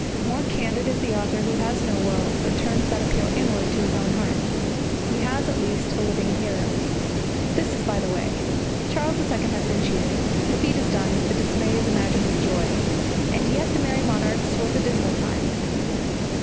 More candid is the author who has no world, but turns that appeal inwards to his own heart. He has at least a living hearer. This is by the way. Charles II has been cheered; the feat is done, the dismay is imagined with joy. And yet the Merry Monarch's was a dismal time.